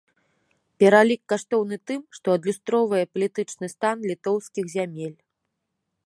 Пералік каштоўны тым, што адлюстроўвае палітычны стан літоўскіх зямель.